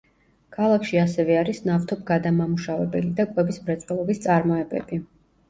ქალაქში ასევე არის ნავთობგადამამუშავებელი და კვების მრეწველობის წარმოებები.